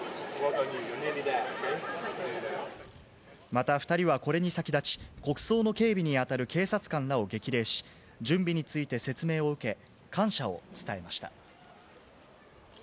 また２人はこれに先立ち、国葬の警備に当たる警察官らを激励し、準備について説明を受け、感謝を伝えました。